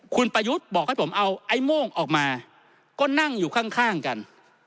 คุณประยุทธ์บอกให้ผมเอาไอ้โม่งออกมาก็นั่งอยู่ข้างกัน